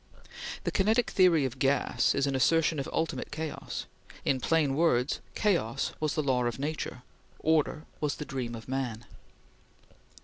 The kinetic theory of gas is an assertion of ultimate chaos. In plain words, Chaos was the law of nature; Order was the dream of man.